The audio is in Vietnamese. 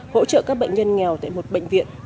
hỗ trợ các bệnh nhân nghèo tại một bệnh viện